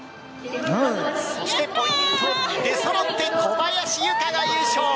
そしてポイント出そろって、小林諭果が優勝！